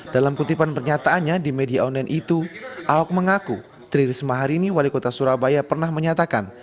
dalam kutipan pernyataannya di media online itu ahok mengaku tri risma hari ini wali kota surabaya pernah menyatakan